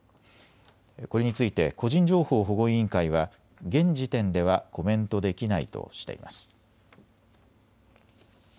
これについて個人情報保護委員会は現時点ではコメントできないとしています。